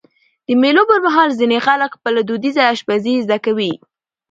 د مېلو پر مهال ځيني خلک خپله دودیزه اشپزي زده کوي.